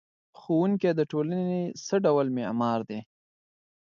ښوونکی د ټولنې څه ډول معمار دی؟